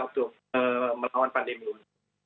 untuk melawan pandemi ini